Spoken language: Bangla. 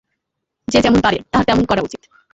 যে যেমন পারে, তাহার তেমন করা উচিত।